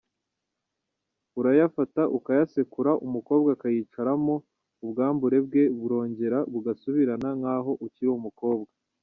Urayafata ukayasekura umukobwa akayicaramo ubwambure bwe burongera bugasubirana nkaho ukiri umukobwa.